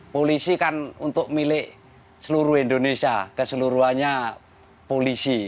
polisi kan untuk milik seluruh indonesia keseluruhannya polisi